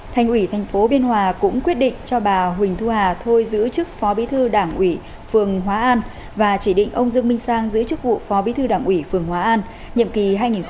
thành ủy thành phố biên hòa cũng quyết định cho bà huỳnh thu hà thôi giữ chức phó bí thư đảng ủy phường hóa an và chỉ định ông dương minh sang giữ chức vụ phó bí thư đảng ủy phường hóa an nhiệm kỳ hai nghìn một mươi năm hai nghìn hai mươi